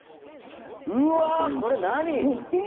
うわっこれ何！？